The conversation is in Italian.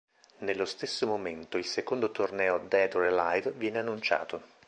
Nello stesso momento, il secondo torneo Dead or Alive viene annunciato.